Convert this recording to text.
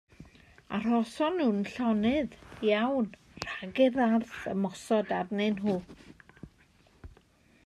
Arhoson nhw'n llonydd iawn rhag i'r arth ymosod arnyn nhw.